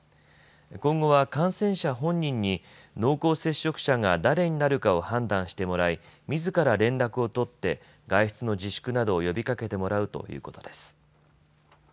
今後は感染者本人に濃厚接触者が誰になるかを判断してもらいみずから連絡を取って外出の自粛などを呼びかけてもらうということです。